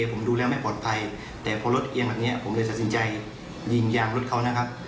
ผมดูแล้วไม่ปลอดภัยแต่พอรถเอียงแบบนี้ผมเลยตัดสินใจยิงยางรถเขานะครับ